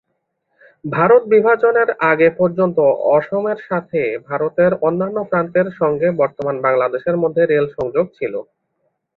ভারত বিভাজনের আগে পর্যন্ত অসমের সঙ্গে ভারতের অন্যান্য প্রান্তের সঙ্গে বর্তমান বাংলাদেশের মধ্যে রেল সংযোগ ছিল।